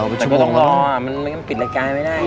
แต่ก็ต้องรอมันก็ปิดรายการไม่ได้